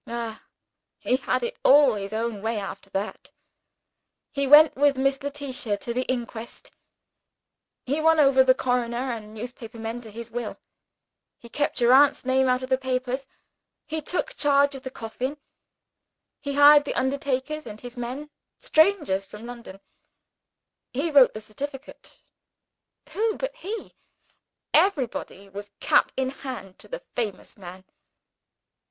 Ah, he had it all his own way after that. He went with Miss Letitia to the inquest; he won over the coroner and the newspaper men to his will; he kept your aunt's name out of the papers; he took charge of the coffin; he hired the undertaker and his men, strangers from London; he wrote the certificate who but he! Everybody was cap in hand to the famous man!"